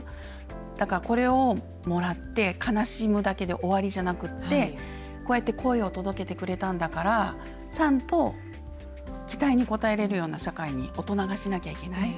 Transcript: だから、これをもらって悲しむだけで終わりじゃなくってこうやって声を届けてくれたんだからちゃんと期待に応えられるような社会に大人がしなきゃいけない。